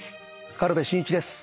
軽部真一です。